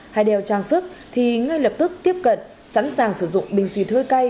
hay đeo trang sức thì ngay lập tức tiếp cận sẵn sàng sử dụng bình xì thơi cay